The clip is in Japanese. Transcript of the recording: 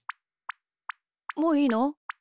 もういいの？